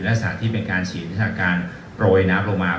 และสถานที่เป็นการฉีดวิชาการโปรยน้ำลงมา